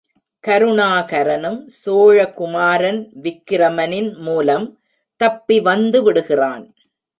கருணாகரனும் சோழகுமாரன் விக்கிரமனின் மூலம் தப்பி வந்துவிடுகிறான்.